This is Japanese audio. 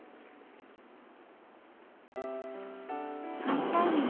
会いたいよ